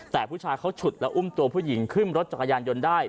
แต่ผู้ชายเขาฉุดแล้วอุ้มตัวผู้หญิงขึ้นรถจักรยานยนต์ได้